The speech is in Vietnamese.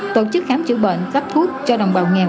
tổ chức khám chữa bệnh cấp thuốc cho đồng bào nghèo